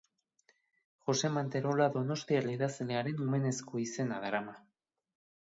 Jose Manterola donostiar idazlearen omenezko izena darama.